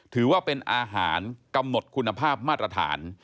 ถือว่าเป็นอาหารกำหนดคุณภาพมาตรฐาน